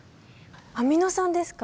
アミノ酸ですか？